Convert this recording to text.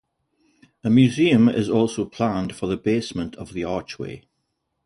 A museum is also planned for the basement of the archway.